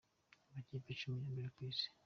Amakipe icumi ya mbere ku isi.